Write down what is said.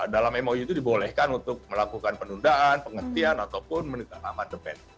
dalam mou itu dibolehkan untuk melakukan penundaan penghentian ataupun menindakan aman demand